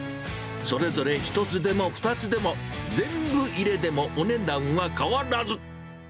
それぞれ１つでも２つでも、全部入れでもお値段は変わらず。